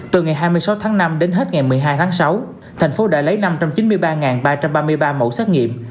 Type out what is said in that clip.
từ ngày hai mươi sáu tháng năm đến hết ngày một mươi hai tháng sáu thành phố đã lấy năm trăm chín mươi ba ba trăm ba mươi ba mẫu xét nghiệm